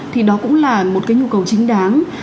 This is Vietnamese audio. thì đó cũng là một cái nhu cầu chính đáng